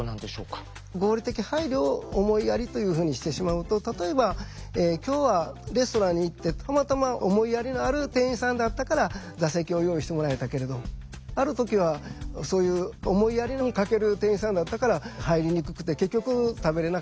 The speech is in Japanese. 合理的配慮を「思いやり」というふうにしてしまうと例えば今日はレストランに行ってたまたま思いやりのある店員さんだったから座席を用意してもらえたけれどある時はそういう思いやりに欠ける店員さんだったから入りにくくて結局食べれなかった。